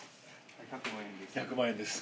１００万円です。